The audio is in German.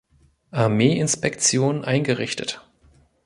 Armee-Inspektion eingerichtet.